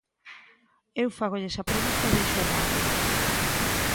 Eu fágolle esa pregunta e déixoa no aire.